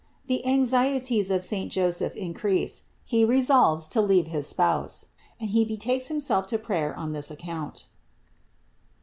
THE ANXIETIES OF SAINT JOSEPH INCREASE; HE RESOLVES TO LEAVE HIS SPOUSE, AND HE BETAKES HIMSELF TO PRAYER ON THIS ACCOUNT.